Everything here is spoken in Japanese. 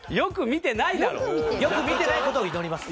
よく見てない事を祈ります。